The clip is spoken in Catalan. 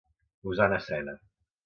Posar en escena.